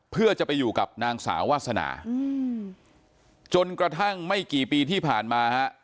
เพื่อจะไปอยู่กับนางสาววาสนาจนกระทั่งไม่กี่ปีที่ผ่านมาฮะ